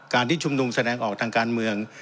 ที่ชุมนุมแสดงออกทางการเมือง